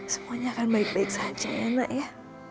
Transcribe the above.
semuanya akan baik baik saja ya nak ya